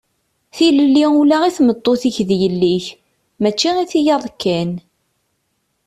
Tilelli ula i tmeṭṭut-ik d yelli-k, mačči i tiyaḍ kan.